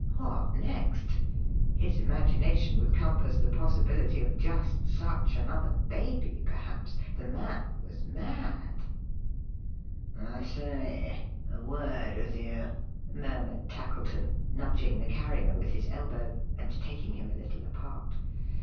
What next? His imagination would compass the possibility of just such another Baby, perhaps. The man was mad. "I say! A word with you," murmured Tackleton, nudging the Carrier with his elbow, and taking him a little apart.